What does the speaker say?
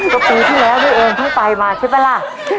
ก็ปีที่แล้วด้วยเอองท่านไปมาใช่ปะล่ะ